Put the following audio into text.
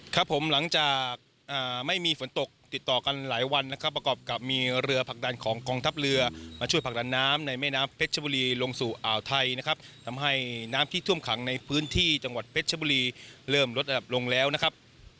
ครับผมหลังจากไม่มีฝนตกติดต่อกันหลายวันนะครับประกอบกับมีเรือผลักดันของกองทัพเรือมาช่วยผลักดันน้ำในแม่น้ำเพชรชบุรีลงสู่อ่าวไทยนะครับทำให้น้ำที่ท่วมขังในพื้นที่จังหวัดเพชรชบุรีเริ่มลดระดับลงแล้วนะครับ